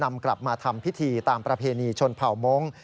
นำกลับมาทำพิธีตามประเพณีชนเผ่ามงค์